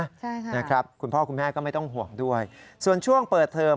ใช่ค่ะนะครับคุณพ่อคุณแม่ก็ไม่ต้องห่วงด้วยส่วนช่วงเปิดเทอม